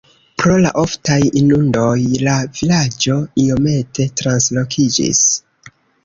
Pro la oftaj inundoj la vilaĝo iomete translokiĝis.